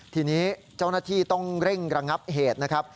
ทีนี้เจ้าหน้าที่ต้องเร่งระงับเหตุนะครับ